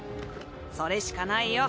それしかないよ